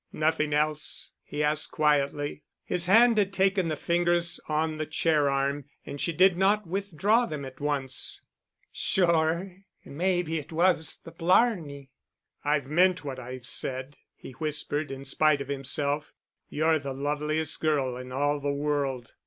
"Nothing else?" he asked quietly. His hand had taken the fingers on the chair arm and she did not withdraw them at once. "Sure and maybe it was the blarney." "I've meant what I've said," he whispered in spite of himself, "you're the loveliest girl in all the world."